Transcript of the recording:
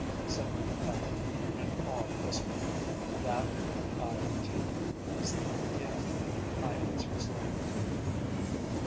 said my companion in an awed whisper. "That, I take it, is the idea," I answered slowly.